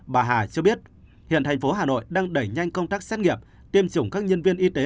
bà hà cho biết hiện thành phố hà nội đang đẩy nhanh công tác xét nghiệm tiêm chủng các nhân viên y tế